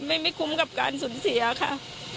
ไม่คุ้มกับการสูญเสียค่ะ